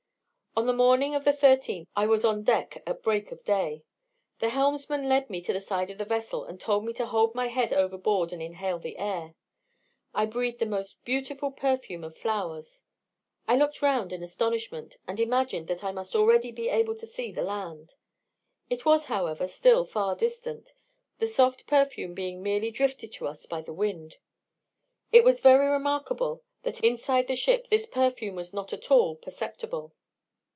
On the morning of the 13th, I was on deck at break of day. The helmsman led me to the side of the vessel, and told me to hold my head overboard, and inhale the air. I breathed a most beautiful perfume of flowers. I looked round in astonishment, and imagined that I must already be able to see the land: it was, however, still far distant, the soft perfume being merely drifted to us by the wind. It was very remarkable that inside the ship this perfume was not at all perceptible.